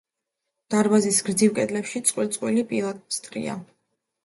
დარბაზის გრძივ კედლებში წყვილ-წყვილი პილასტრია.